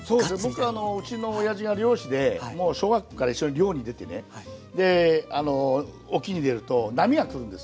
僕うちのおやじが漁師でもう小学校から一緒に漁に出てねで沖に出ると波が来るんですよ。